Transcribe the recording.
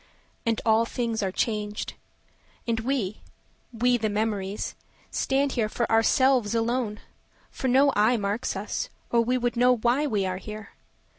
And all things are changed. And we—we, the memories, stand here for ourselves alone, For no eye marks us, or would know why we are here.